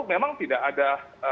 memang tidak ada